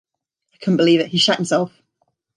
I couldn't believe it, he shat himself!